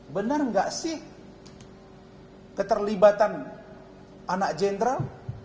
benar nggak sih keterlibatan anak jenderal